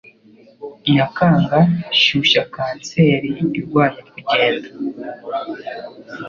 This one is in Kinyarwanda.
Nyakanga shyushya kanseri irwanya kugenda